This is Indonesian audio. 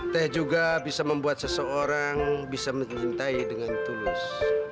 teh juga bisa membuat seseorang bisa mencintai dengan tulus